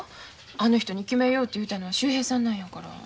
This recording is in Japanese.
あの人に決めようと言うたのは秀平さんなんやから。